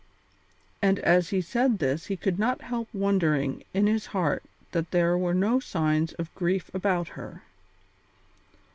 And as he said this he could not help wondering in his heart that there were no signs of grief about her.